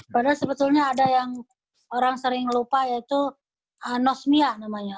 padahal sebetulnya ada yang orang sering lupa yaitu anosmia namanya